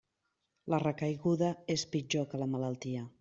La recaiguda és pitjor que la malaltia.